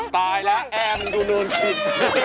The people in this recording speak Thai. ตายแล้วแอบยิง